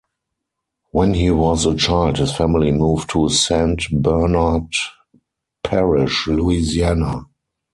When he was a child his family moved to Saint Bernard Parish, Louisiana.